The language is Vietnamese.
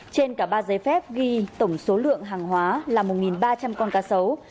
trên cả ba giấy phép ghi tổng số lượng hàng hóa là một ba trăm linh con cá sấu